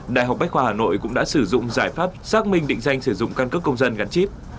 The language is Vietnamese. đại học bách khoa hà nội cũng đã sử dụng giải pháp xác minh định danh sử dụng căn cước công dân gắn chip